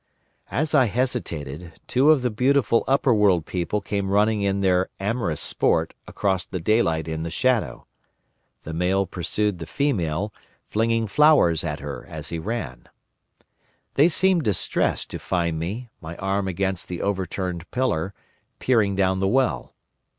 As I hesitated, two of the beautiful upperworld people came running in their amorous sport across the daylight in the shadow. The male pursued the female, flinging flowers at her as he ran. "They seemed distressed to find me, my arm against the overturned pillar, peering down the well.